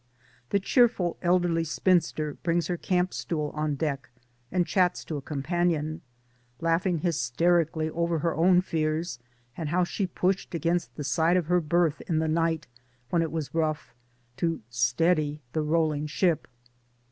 The cheerful elderly spinster brings her camp stool on deck and chats to a companion ŌĆö ^laughing hysterically over her own fears, and how she pushed against the side of her berth in the night when it was rough ŌĆö to steady the rolling ship